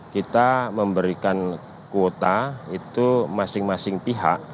kita memberikan kuota itu masing masing pihak